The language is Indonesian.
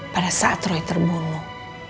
pada saat roy terbunuh